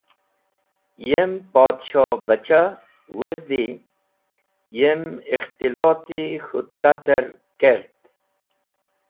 Yem Podshohbachah wezdi yem ikhtiloti k̃hũ tater kert.